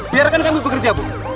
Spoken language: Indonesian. biarkan kami bekerja bu